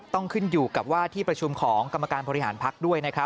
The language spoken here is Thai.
ต้องขึ้นอยู่กับว่าที่ประชุมของกรรมการบริหารพักด้วยนะครับ